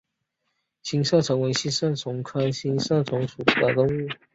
星射虫为星射虫科星射虫属的动物。